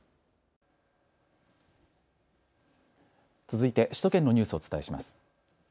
続いて首都圏のニュースをお伝えします。